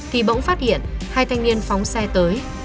thì bỗng phát hiện hai thanh niên phóng xe tới